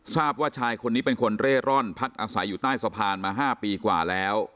ทราบว่าชายคนนี้เป็นคนเร่ร่อนพักอาศัยอยู่ใต้สะพานมา๕ปีกว่าแล้ว